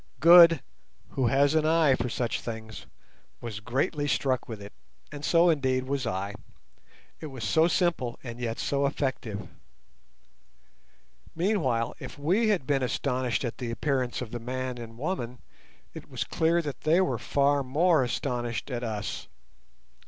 Good (who has an eye for such things) was greatly struck with it, and so indeed was I. It was so simple and yet so effective. Meanwhile, if we had been astonished at the appearance of the man and woman, it was clear that they were far more astonished at us.